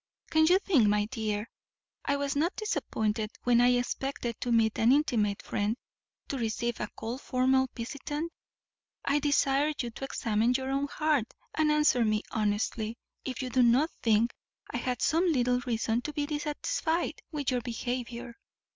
Can you think, my dear, I was not disappointed, when I expected to meet an intimate friend, to receive a cold formal visitant? I desire you to examine your own heart and answer me honestly if you do not think I had some little reason to be dissatisfied with your behaviour?"